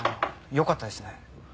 よかったですね。